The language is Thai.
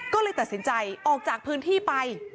ก็เลยตัดสินใจออกจากพื้นที่ไป